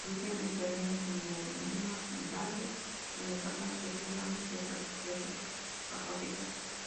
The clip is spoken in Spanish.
Viven en terrenos inundables donde cazan peces, ranas y otras presas acuáticas.